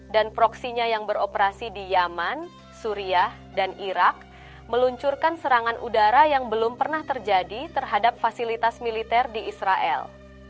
proksinya yang beroperasi di yaman suriah dan irak meluncurkan serangan udara yang belum pernah terjadi terhadap fasilitas militer di israel